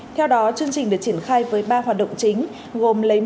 theo đó chương trình được triển khai với ba hoạt động triển khai